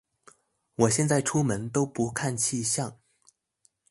我現在出門都不看氣象